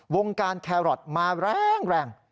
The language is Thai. วงการแครอทมาแรง